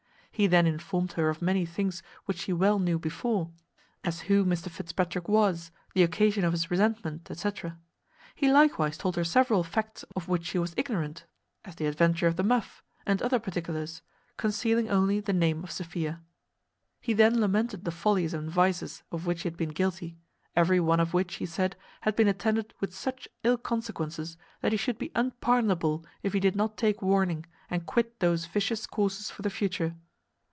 He then informed her of many things which she well knew before, as who Mr Fitzpatrick was, the occasion of his resentment, &c. He likewise told her several facts of which she was ignorant, as the adventure of the muff, and other particulars, concealing only the name of Sophia. He then lamented the follies and vices of which he had been guilty; every one of which, he said, had been attended with such ill consequences, that he should be unpardonable if he did not take warning, and quit those vicious courses for the future.